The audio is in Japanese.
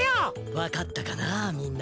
わかったかなみんな。